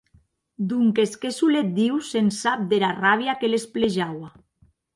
Donques que solet Diu se’n sap dera ràbia que les pelejaua.